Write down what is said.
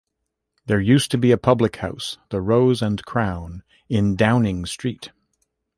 There used to be a public house, the Rose and Crown, in Downing Street.